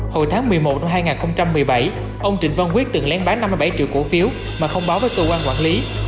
hồi tháng một mươi một năm hai nghìn một mươi bảy ông trịnh văn quyết từng lén bán năm mươi bảy triệu cổ phiếu mà không báo với cơ quan quản lý